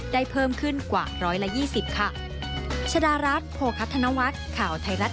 เพิ่มขึ้นกว่า๑๒๐ค่ะ